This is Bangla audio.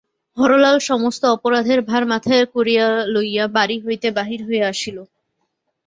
হরলাল সমস্ত অপরাধের ভার মাথায় করিয়া লইয়া বাড়ি হইতে বাহির হইয়া আসিল।